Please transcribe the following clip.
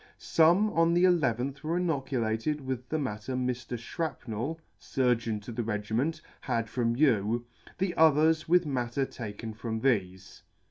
Some on the i ith were inoculated with the matter Mr. Shrapnell (Surgeon to the Regiment) had from you, the others with matter taken from thefe.